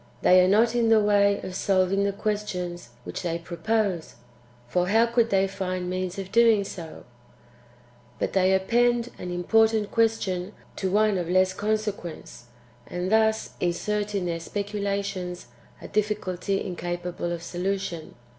They are not in the way of solving the questions [which they propose] ; for how could they find means of doing so ? But they append an important question to one of less consequence, and thus insert [in their specula tions] a difficulty incapable of solution.